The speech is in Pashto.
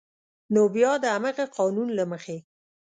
نو بیا د همغه قانون له مخې